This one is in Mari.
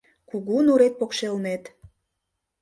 Кугу нурет покшелнет